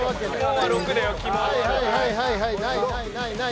はいはいはいはいないないない。